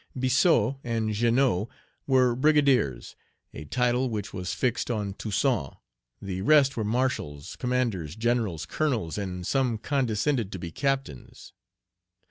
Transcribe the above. Biassou and Jeannot were brigadiers, a title which was fixed on Toussaint; the rest were marshals, commanders, generals, colonels, and some condescended to be captains.